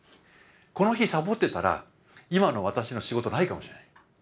この日サボってたら今の私の仕事ないかもしれない。